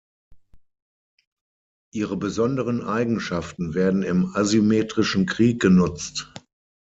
Ihre besonderen Eigenschaften werden im asymmetrischen Krieg genutzt.